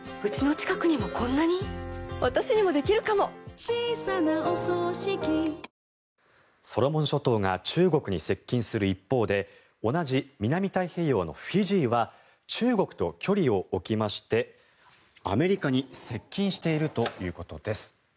中国に対抗するためフィジーを重要視するアメリカとソロモン諸島が中国に接近する一方で同じ南太平洋のフィジーは中国と距離を置きましてアメリカに接近しているということです。